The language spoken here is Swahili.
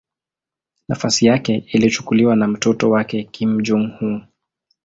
Nafasi yake ilichukuliwa na mtoto wake Kim Jong-un.